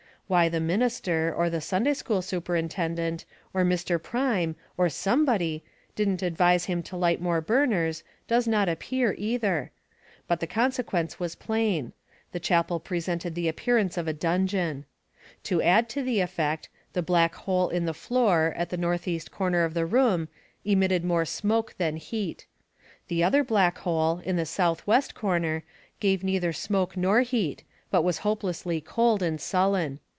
Why the minister, or the Sunday school Superin tendent, or Mr. Prime, or somebody^ didn't advise him to light more burners does not appear, either; but the consequence was plain — the chapel presented the appearance of a dungeon. To add to the effect, the black hole in the floor, at the northeast corner of the room, emitted more smoke than heat. The other black hole, in the southwest corner, gave neither smoke nor heat, but was hopelessly cold and sullen.